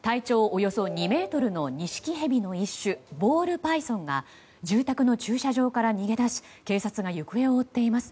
およそ２ｍのニシキヘビの一種ボールパイソンが住宅の駐車場から逃げ出し警察が行方を追っています。